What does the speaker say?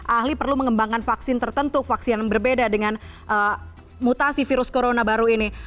ahli perlu mengembangkan vaksin tertentu vaksin yang berbeda dengan mutasi virus corona baru ini